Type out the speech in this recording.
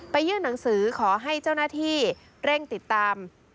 ยื่นหนังสือขอให้เจ้าหน้าที่เร่งติดตาม